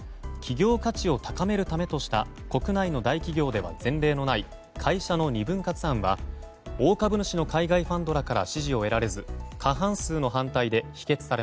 企業価値を高めるためとした国内の大企業では前例のない会社の２分割案は大株主の海外ファンドらから支持を得られず